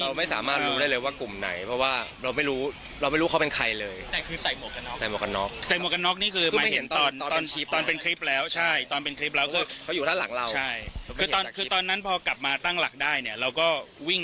เราไม่สามารถรู้ได้เลยว่ากลุ่มไหน